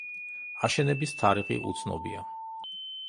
აშენების თარიღი უცნობია.